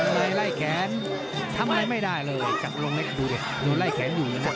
ลายแขนทำอะไรไม่ได้เลยจัดลงเลยดูดิลายแขนอยู่นะ